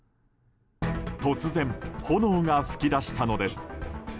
突然、炎が噴き出したのです。